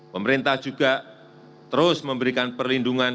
pemerintah juga terus memberikan perlindungan